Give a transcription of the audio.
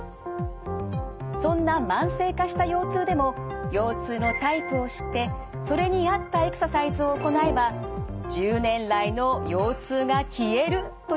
そんな慢性化した腰痛でも腰痛のタイプを知ってそれに合ったエクササイズを行えば１０年来の腰痛が消えるということもあるんです。